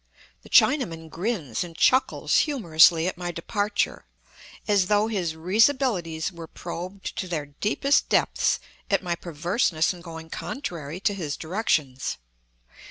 The Chinaman grins and chuckles humorously at my departure, as though his risibilities were probed to their deepest depths at my perverseness in going contrary to his directions.